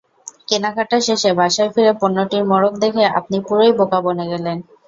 কেনাকাটা শেষে বাসায় ফিরে পণ্যটির মোড়ক দেখে আপনি পুরোই বোকা বনে গেলেন।